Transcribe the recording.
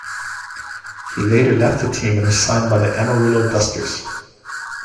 He later left the team and was signed by the Amarillo Dusters.